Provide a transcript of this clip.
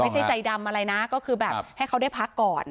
ใจดำอะไรนะก็คือแบบให้เขาได้พักก่อน